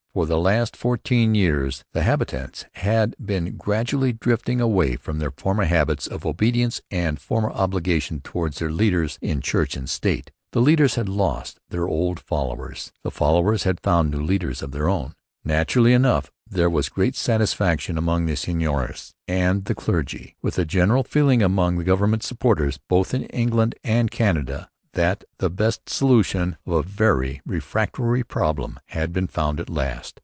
For the last fourteen years the habitants had been gradually drifting away from their former habits of obedience and former obligations towards their leaders in church and state. The leaders had lost their old followers. The followers had found no new leaders of their own. Naturally enough, there was great satisfaction among the seigneurs and the clergy, with a general feeling among government supporters, both in England and Canada, that the best solution of a very refractory problem had been found at last.